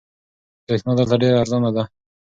برېښنا دلته ډېره ارزانه ده.